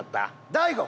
大悟！